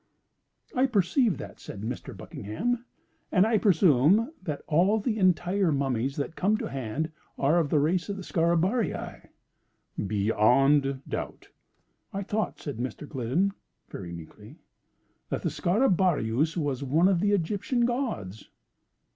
"I perceive that," said Mr. Buckingham, "and I presume that all the entire mummies that come to hand are of the race of Scarabaei." "Beyond doubt." "I thought," said Mr. Gliddon, very meekly, "that the Scarabaeus was one of the Egyptian gods."